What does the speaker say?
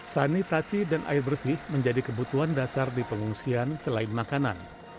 sanitasi dan air bersih menjadi kebutuhan dasar di pengungsian selain makanan